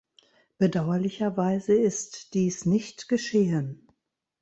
Bedauerlicherweise ist dies nicht geschehen.